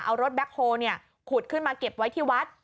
เอารถแบ็คโฮลขุดขึ้นมาเก็บไว้ที่วัด